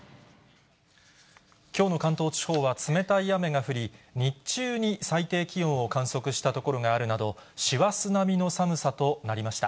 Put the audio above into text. きょうの関東地方は冷たい雨が降り、日中に最低気温を観測した所があるなど、師走並みの寒さとなりました。